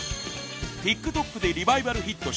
ＴｉｋＴｏｋでリバイバルヒットし